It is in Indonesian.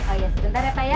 oh iya sebentar ya pak ya